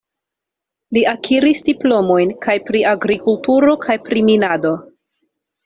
Li akiris diplomojn kaj pri agrikulturo kaj pri minado.